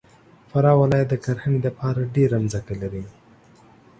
فراه ولایت د کرهنې دپاره ډېره مځکه لري.